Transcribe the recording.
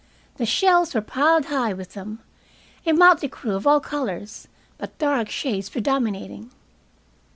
The shelves were piled high with them, a motley crew of all colors, but dark shades predominating.